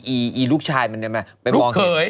อีลูกชายมันแหมไปมองเขย